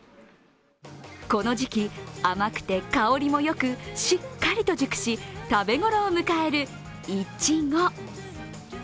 この時期、甘くて香りもよくしっかりと熟し食べ頃を迎えるいちご。